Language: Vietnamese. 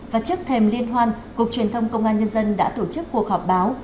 và trước thềm liên hoan cục truyền thông công an nhân dân đã tổ chức cuộc họp báo